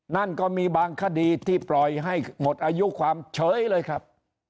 นั่นก็มีบางคดีที่ปล่อยให้หมดอายุความเฉยเลยครับ